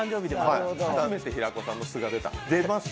初めて平子さんの素が出た。